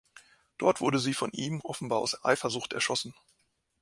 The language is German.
Dort wurde sie von ihm, offenbar aus Eifersucht, erschossen.